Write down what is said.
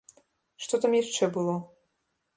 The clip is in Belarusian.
Што там яшчэ было?